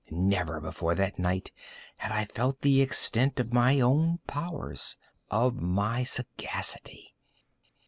Never before that night had I felt the extent of my own powers—of my sagacity.